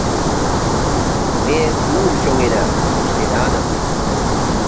Ме уым чоҥена, шкенаным —